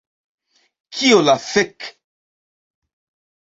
Kio la fek'?